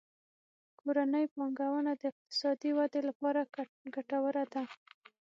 کورنۍ پانګونه د اقتصادي ودې لپاره ګټوره ده.